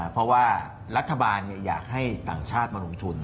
เพราะว่ารัฐบาลอยากให้ต่างชาติมาลงทุน